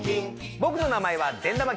僕の名前は善玉菌。